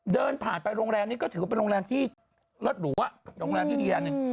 เดินผ่านไปโรงแรมนี้ก็ถือว่าเป็นโรงแรมที่รถหรูโรงแรมที่ดีอันหนึ่ง